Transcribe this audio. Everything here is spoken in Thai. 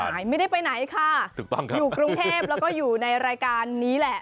ไปเที่ยวไหนไม่ได้ไปไหนค่ะอยู่กรุงเทพแล้วก็อยู่ในรายการนี้แหละ